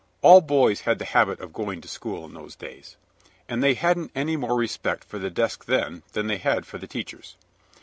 All boys had the habit of going to school in those days, and they hadn't any more respect for the desks than they had for the teachers.